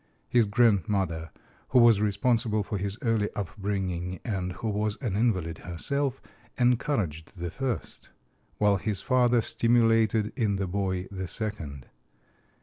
His grandmother, who was responsible for his early upbringing and who was an invalid herself, encouraged the first; while his father stimulated in the boy the second.